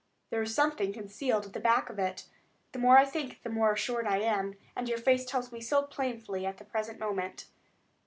There is something concealed at the back of it. The more I think the more assured I am, and your face tells me so plainly at the present moment.